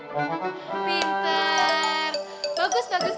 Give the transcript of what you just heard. pinter bagus bagus